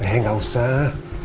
eh gak usah